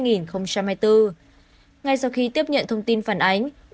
ngay sau khi tiếp nhận thông tin phản ánh